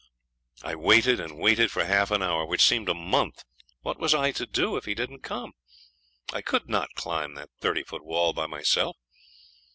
I waited and waited for half an hour, which seemed a month. What was I to do if he didn't come? I could not climb the thirty foot wall by myself.